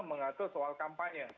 mengatur soal kampanye